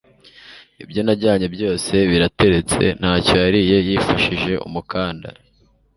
ibyo najyanye byose birateretse, nta cyo yariye yifashije umukanda